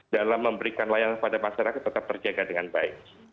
dalam memberikan layanan pada masyarakat tetap terjaga dengan baik